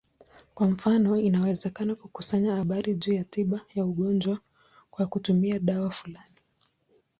Kwa mfano, inawezekana kukusanya habari juu ya tiba ya ugonjwa kwa kutumia dawa fulani.